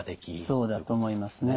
そうだと思いますね。